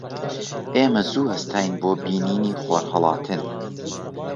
ئێمە زوو هەستاین بۆ بینینی خۆرهەڵاتن.